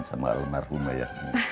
sama unar unar ya